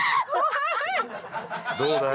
どうだい？